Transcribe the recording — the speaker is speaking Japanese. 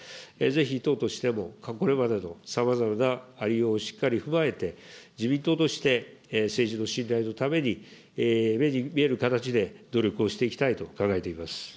ぜひ、党としても、これまでのさまざまなありようをしっかり踏まえて、自民党として政治の信頼のために、目に見える形で努力をしていきたいと考えております。